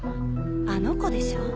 あの子でしょ？